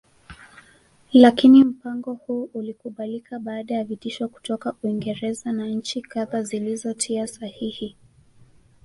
lakini mpango huu ulikubalika baada ya vitisho kutoka Uingereza na nchi kadha zilizotia sahihi